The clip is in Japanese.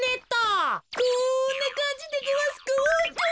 こんなかんじでごわすか？